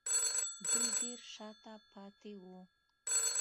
دوی ډېر شا ته پاتې وو